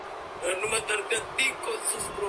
La alimentación para ellos no es un problema.